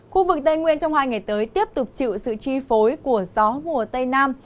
khu vực tây nguyên trong hai ngày tới tiếp tục chịu sự chi phối của gió mùa tây nam